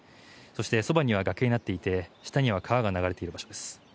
そしてそばは崖になっていて下には川が流れている場所です。